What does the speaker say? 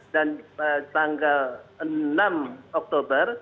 dan tanggal enam oktober